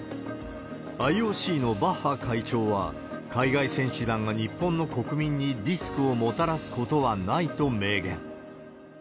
ＩＯＣのバッハ会長は、海外選手団が日本の国民にリスクをもたらすことはないと明言。